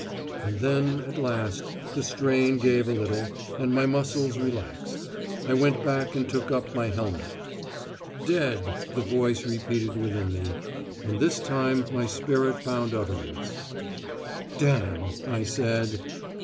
And then, at last, the strain gave a little, and my muscles relaxed. I went back and took up my helmet. "Dead," the voice repeated within me. And this time my spirit found utterance: "Damn!" I said.